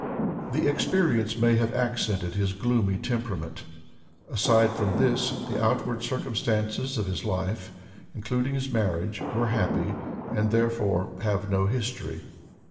The experience may have accented his gloomy temperament. Aside from this, the outward circumstances of his life, including his marriage, were happy, and therefore have no history.